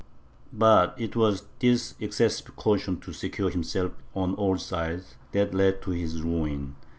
But it was this excessive caution to secure himself on all sides, that led to his ruin.